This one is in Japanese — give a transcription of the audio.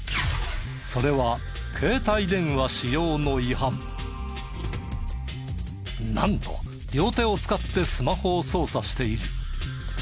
それはなんと両手を使ってスマホを操作している。